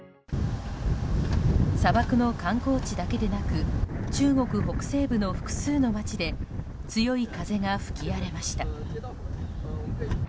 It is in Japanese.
砂漠の観光地だけでなく中国北西部の複数の街で強い風が吹き荒れました。